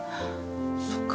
そっか。